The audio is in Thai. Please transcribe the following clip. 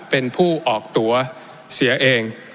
เป็นผู้ออกตัวเสียเอง